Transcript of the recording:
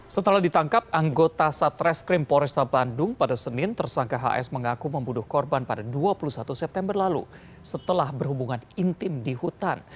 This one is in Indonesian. setelah ditangkap anggota satreskrim poresta bandung pada senin tersangka hs mengaku membunuh korban pada dua puluh satu september lalu setelah berhubungan intim di hutan